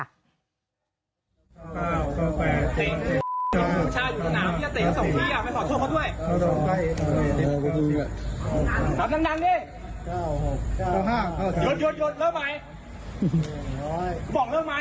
อ่าเนี่ยคุณถ้าเกิดสมมติว่า